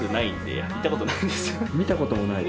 見たこともない？